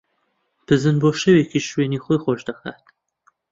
بزن بۆ شەوێکیش شوێنی خۆی خۆش ئەکات